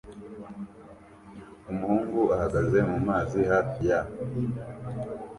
Umuhungu ahagaze mumazi hafi ya